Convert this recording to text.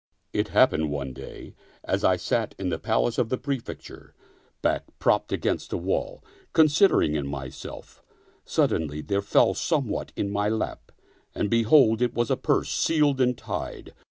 It happened one day, as I sat in the palace of the Prefecture, back propped against a wall, considering in myself, suddenly there fell somewhat in my lap, and behold, it was a purse sealed and tied.